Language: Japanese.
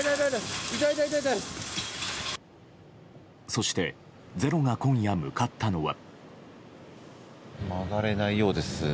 そして、「ｚｅｒｏ」が今夜向かったのは。